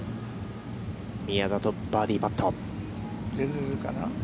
宮里、バーディーパット。